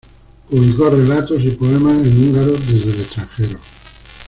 Publicó relatos y poemas en húngaro desde el extranjero.